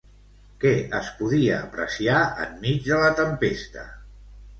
Què es podia apreciar enmig de la tempesta?